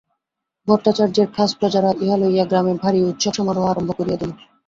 ভট্টাচার্যের খাস প্রজারা ইহা লইয়া গ্রামে ভারি উৎসবসমারোহ আরম্ভ করিয়া দিল।